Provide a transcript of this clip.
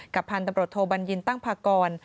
พันธุ์ตำรวจโทบัญญินตั้งพากร